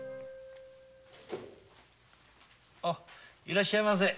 いらっしゃいませ。